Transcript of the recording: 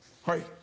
はい。